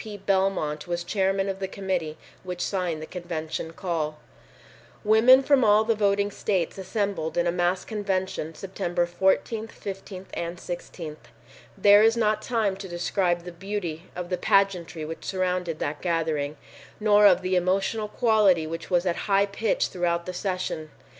P. Belmont was chairman of the committee which signed the convention call. Women from all the voting states assembled in a mass convention September 14, 15 and 16. There is not time to describe the beauty of the pageantry which surrounded that gathering, nor of the emotional quality which was at high pitch throughout the sessions.